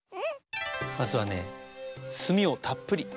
まずはねすみをたっぷりつけて。